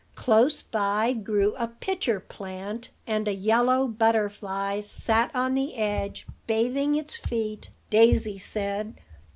Close by grew a pitcher plant; and a yellow butterfly sat on the edge, bathing its feet, Daisy said.